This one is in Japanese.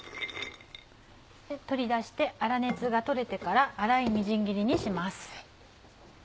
取り出して粗熱が取れてから粗いみじん切りにします。